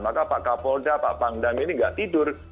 maka pak kapolda pak pangdam ini tidak tidur